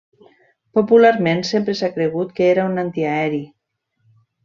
Popularment sempre s'ha cregut que era un antiaeri.